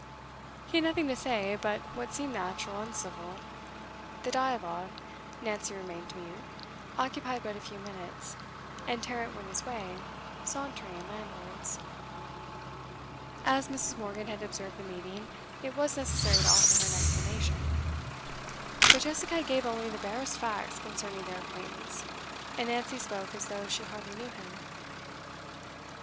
He had nothing to say but what seemed natural and civil; the dialogue Nancy remained mute occupied but a few minutes, and Tarrant went his way, sauntering landwards. As Mrs. Morgan had observed the meeting, it was necessary to offer her an explanation. But Jessica gave only the barest facts concerning their acquaintance, and Nancy spoke as though she hardly knew him.